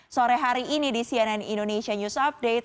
sore hari ini di cnn indonesia news update